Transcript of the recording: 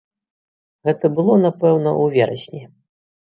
Гэта было, напэўна, у верасні.